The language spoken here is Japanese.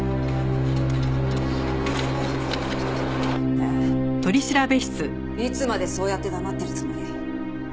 ねえいつまでそうやって黙ってるつもり？